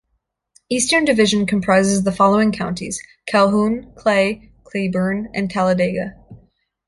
Eastern Division comprises the following counties: Calhoun, Clay, Cleburne, and Talladega.